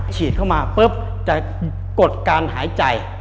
ฉีดเข้ามาปุ๊บจะกดการหายใจ